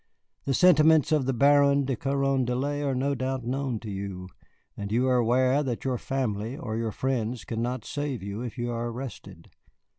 "The sentiments of the Baron de Carondelet are no doubt known to you, and you are aware that your family or your friends cannot save you if you are arrested.